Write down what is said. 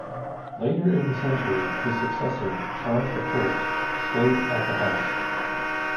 Later in the century his successor, Charles the First, stayed at the house.